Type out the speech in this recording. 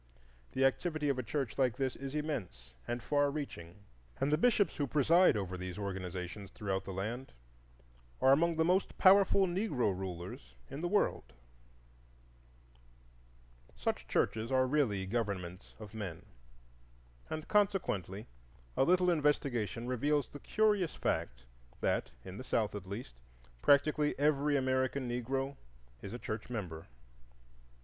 The activity of a church like this is immense and far reaching, and the bishops who preside over these organizations throughout the land are among the most powerful Negro rulers in the world. Such churches are really governments of men, and consequently a little investigation reveals the curious fact that, in the South, at least, practically every American Negro is a church member.